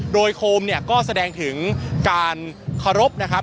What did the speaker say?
โดยโคมเนี่ยก็แสดงถึงการเคารพนะครับ